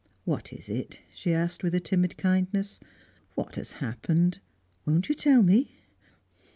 "What is it?" she asked, with a timid kindness. "What has happened? Won't you tell me?"